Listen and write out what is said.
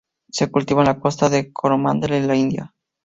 Se cultiva en la costa de Coromandel en la India.